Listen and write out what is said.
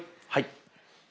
はい。